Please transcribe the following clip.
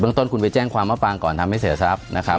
เบื้องต้นคุณไปแจ้งความมะปรางก่อนทำให้เสียทรัพย์